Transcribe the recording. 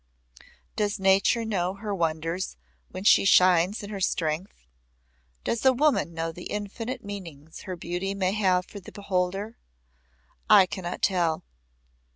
Does Nature know her wonders when she shines in her strength? Does a woman know the infinite meanings her beauty may have for the beholder? I cannot tell.